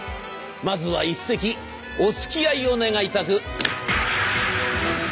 まずは一席おつきあいを願いたく。